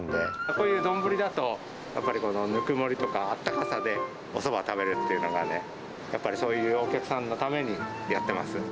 こういう丼だと、やっぱりぬくもりとか、あったかさでおそばを食べるっていうのがね、やっぱりそういうお客さんのためにやってます。